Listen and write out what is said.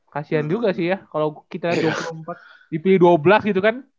kasian juga sih ya kalau kita dua puluh empat dipilih dua belas gitu kan